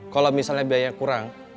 kalau misalnya biaya kurang